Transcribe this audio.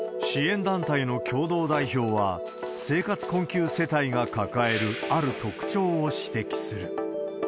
支援団体の共同代表は、生活困窮世帯が抱える、ある特徴を指摘する。